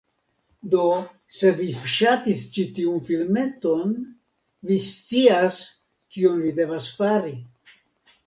Do se vi ŝatis ĉi tiun filmeton, vi scias, kion vi devas fari: